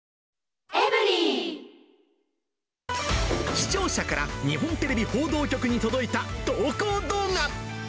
視聴者から日本テレビ報道局に届いた投稿動画。